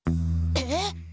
えっ？